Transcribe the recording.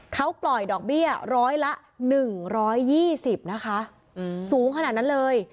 เขาปล่อยดอกเบี้ยร้อยละหนึ่งร้อยยี่สิบนะคะสูงขนาดนั้นเลย